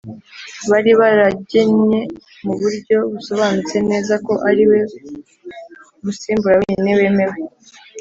bari baragennye mu buryo busobanutse neza ko ʽali ari we musimbura wenyine wemewe